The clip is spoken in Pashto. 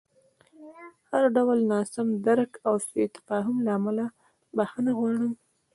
د هر ډول ناسم درک او سوء تفاهم له امله بښنه غواړم.